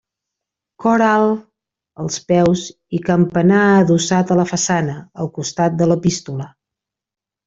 Cor alt als peus i campanar adossat a la façana, al costat de l'Epístola.